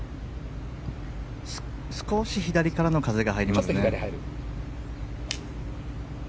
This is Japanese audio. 少し左からの風が入りますね。